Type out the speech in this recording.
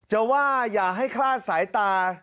จะว่าอย่าให้คลาดสายตา